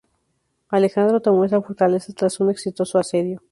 Alejandro tomó esta fortaleza tras un exitoso asedio.